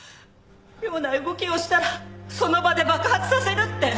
妙な動きをしたらその場で爆発させるって。